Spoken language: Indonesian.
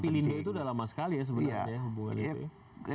padahal sama pilindo itu udah lama sekali ya sebenarnya hubungannya itu ya